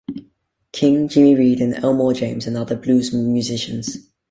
King, Jimmy Reed, and Elmore James and other blues musicians.